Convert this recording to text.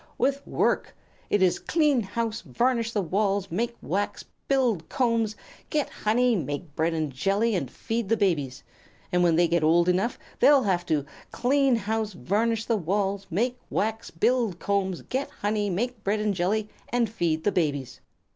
"With work! It is clean house, varnish the walls, make wax, build combs, get honey, make bread and jelly, and feed the babies. And when they get old enough they'll have to clean house, varnish the walls, make wax, build combs, get honey, make bread and jelly, and feed the babies.